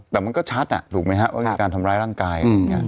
แต่มันก็ชัดอ่ะถูกไหมฮะว่าการทำร้ายร่างกาย